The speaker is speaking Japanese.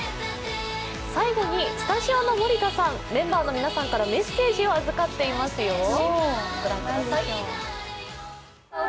最後にスタジオの森田さん、メンバーの皆さんからメッセージを預かっていますよ。